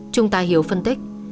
trung tà hiếu phân tích